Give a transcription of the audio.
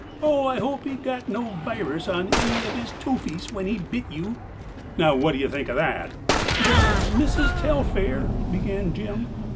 Oh, I hope he got no virus on any of his toofies when he bit you.' Now what do you think of that?" "Does Missis Telfair—" began Jim.